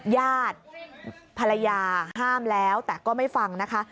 ญาติภรรยาห้ามแล้วแต่ก็ไม่ฟังนะคะ